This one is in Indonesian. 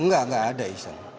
enggak enggak ada iseng